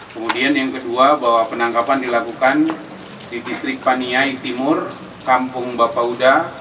kemudian yang kedua bahwa penangkapan dilakukan di distrik paniai timur kampung bapak uda